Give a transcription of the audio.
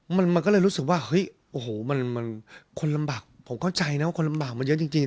มันมันก็เลยรู้สึกว่าเฮ้ยโอ้โหมันคนลำบากผมเข้าใจนะว่าคนลำบากมันเยอะจริง